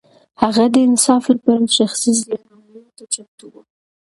هغه د انصاف لپاره شخصي زيان منلو ته چمتو و.